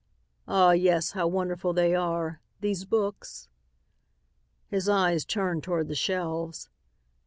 Ah, yes, how wonderful they are, these books?" His eyes turned toward the shelves.